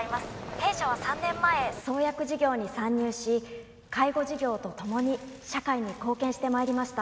弊社は３年前創薬事業に参入し介護事業とともに社会に貢献してまいりました